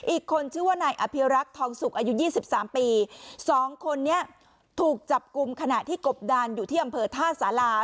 อีกคนชื่อว่านายอภิรักษ์ทองสุกอายุยี่สิบสามปีสองคนนี้ถูกจับกลุ่มขณะที่กบดานอยู่ที่อำเภอท่าสารา